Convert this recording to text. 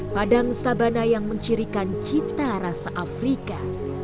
padang sabana yang mencirikan cita rasa afrika